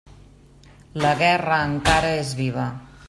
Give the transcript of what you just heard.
La guerra encara és viva.